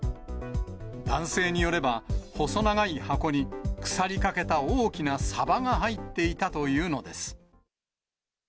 男性によれば、細長い箱に、腐りかけた大きなさばが入っていたというのです。